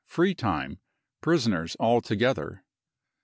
Free time, prisoners all together."